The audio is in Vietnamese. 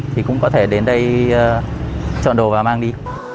thì cũng có thể đến đây chọn đồ và mang đi